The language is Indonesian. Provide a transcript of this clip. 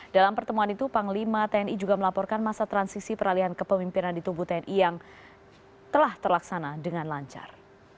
dalam pertemuan itu panglima tni juga melaporkan masa transisi peralihan kepemimpinan di tubuh tni yang telah terlaksana dengan lancar